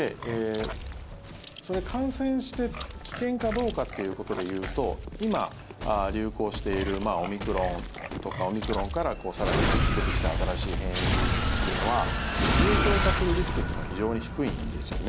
それ、感染して危険かどうかっていうことでいうと今流行しているオミクロンとかオミクロンから更に出てきた新しい変異ウイルスっていうのは重症化するリスクっていうのが非常に低いんですよね。